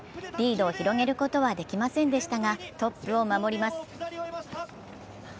リードを広げることはできませんでしたがトップを守ります。